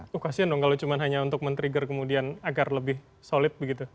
tuh kasian dong kalau cuma hanya untuk men trigger kemudian agar lebih solid begitu